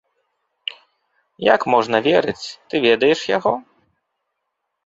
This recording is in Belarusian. Як можна верыць, ты ведаеш яго?